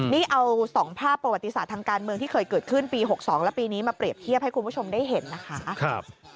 นี่เอา๒ภาพประวัติศาสตร์ทางการเมืองที่เคยเกิดขึ้นปี๖๒และปีนี้มาเปรียบเทียบให้คุณผู้ชมได้เห็นนะคะ